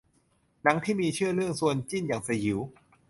หนังที่มีชื่อเรื่องชวนจิ้นอย่างสยิว